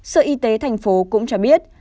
sở y tế thành phố hồ chí minh